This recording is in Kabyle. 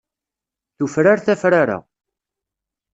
Tufrar tafrara.